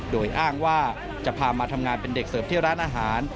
โดยอ้างว่าจะพามาทำงานเป็นเด็กเสิร์ฟที่ร้านอาหาร